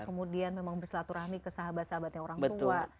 kemudian memang berselatu rahmi ke sahabat sahabatnya orang tua